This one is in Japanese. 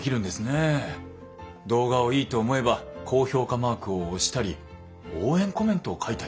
動画をいいと思えば高評価マークを押したり応援コメントを書いたり。